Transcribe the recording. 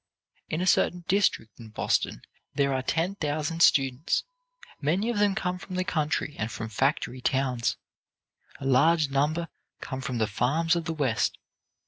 In a certain district in Boston there are ten thousand students. Many of them come from the country and from factory towns. A large number come from the farms of the West.